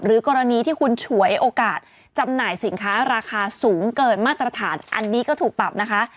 กรณีที่คุณฉวยโอกาสจำหน่ายสินค้าราคาสูงเกินมาตรฐานอันนี้ก็ถูกปรับนะคะ